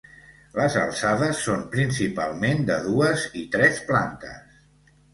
Les alçades són principalment de dues i tres plantes.